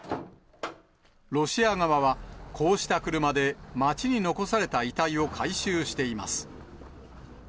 ロシア側は、こうした車で街に残された遺体を回収しています。